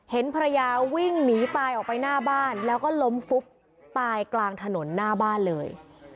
เห็นภรรยาวิ่งหนีตายออกไปหน้าบ้านแล้วก็ล้มฟุบตายกลางถนนหน้าบ้านเลย